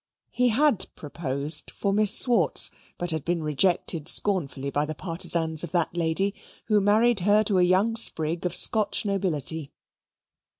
He had proposed for Miss Swartz, but had been rejected scornfully by the partisans of that lady, who married her to a young sprig of Scotch nobility.